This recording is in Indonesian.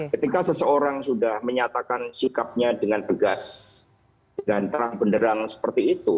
ketika seseorang sudah menyatakan sikapnya dengan tegas dan terang benderang seperti itu